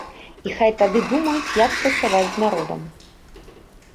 І хай тады думаюць, як працаваць з народам.